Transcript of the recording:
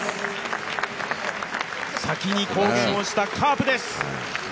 先に公言をしたカープです。